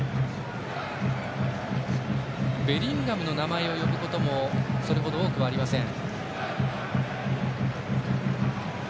ベリンガムの名前を呼ぶこともそれほど多くありません。